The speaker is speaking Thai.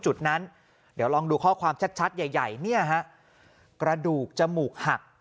จุดนั้นเดี๋ยวลองดูข้อความชัดใหญ่เนี่ยฮะกระดูกจมูกหัก